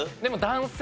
男性？